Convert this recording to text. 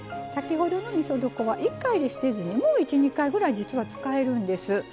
先ほどのみそ床は１回で捨てずにもう１２回ぐらい実は使えるんです。